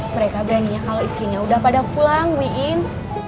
mereka berani kalau istrinya udah pada pulang bu iin